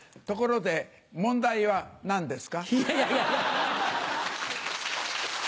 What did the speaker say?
ところで問題は何ですか？